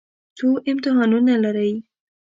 څو امتحانه لرئ؟